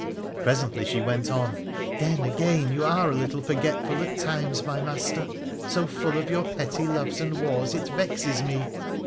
Presently she went on. ' Then, again, you are a little forgetful at times, my master — so full of your petty loves and wars it vexes me.'